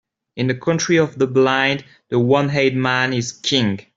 In the country of the blind, the one-eyed man is king.